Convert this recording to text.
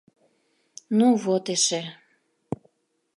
— Ну вот эше.